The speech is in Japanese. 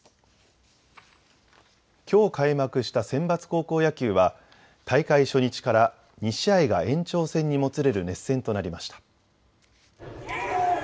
きょう開幕したセンバツ高校野球は大会初日から２試合が延長戦にもつれる熱戦となりました。